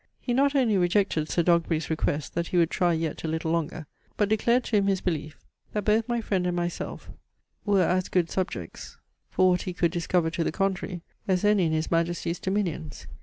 he not only rejected Sir Dogberry's request that he would try yet a little longer, but declared to him his belief, that both my friend and myself were as good subjects, for aught he could discover to the contrary, as any in His Majesty's dominions.